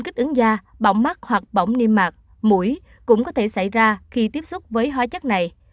kích ứng da bỏng mắt hoặc bỏng niêm mạc mũi cũng có thể xảy ra khi tiếp xúc với hóa chất này